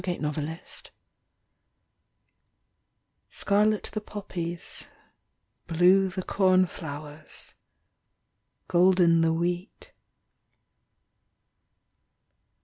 GRAIN FIELD Scarlet the poppies Blue the corn flowers, Golden the wheat.